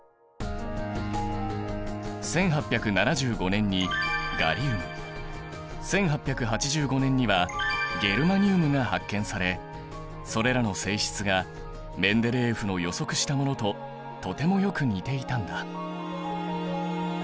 １８７５年にガリウム１８８５年にはゲルマニウムが発見されそれらの性質がメンデレーエフの予測したものととてもよく似ていたんだ。